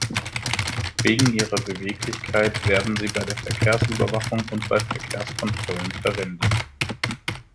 Wegen ihrer Beweglichkeit werden sie bei der Verkehrsüberwachung und bei Verkehrskontrollen verwendet.